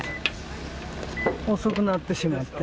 遅くなってしまって。